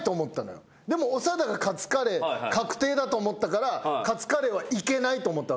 でも長田がカツカレー確定だと思ったからカツカレーはいけないと思ったわけ。